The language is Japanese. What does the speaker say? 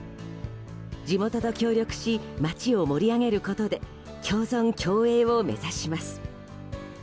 地元と協力し町を盛り上げることで共存・共栄を目指します。